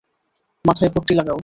মাথায় পট্টি লাগাও।